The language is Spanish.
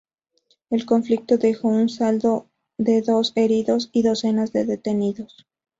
El conflicto dejó un saldo de dos heridos y docenas de detenidos.